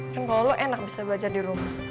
kan kalau lo enak bisa belajar di rumah